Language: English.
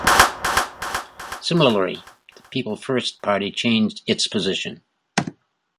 Similarly, the People First Party changed its position.